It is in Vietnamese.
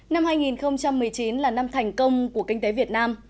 năm hai nghìn một mươi chín là năm thành công của kinh tế việt nam